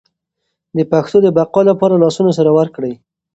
د پښتو د بقا لپاره لاسونه سره ورکړئ.